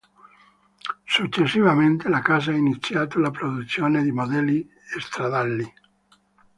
Successivamente la casa ha iniziato la produzione di modelli stradali.